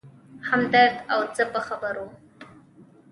همدرد او زه په خبرو و.